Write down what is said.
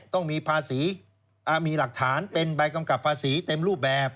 ต้องมีภาษีมีหลักฐานเป็นใบกำกับภาษีเต็มรูปแบบ